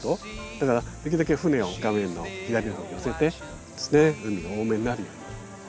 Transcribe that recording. だからできるだけ船を画面の左のほうに寄せてで海多めになるように。